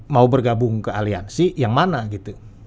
mau bergabung ke aliansi yang mana gitu